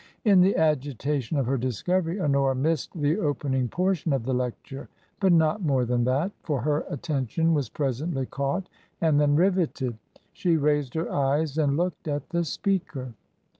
In the agitation of her discovery Honora missed the opening portion of the lecture, but not more than that, for her attention was presently caught and then riveted. She raised her eyes and looked at the speaker.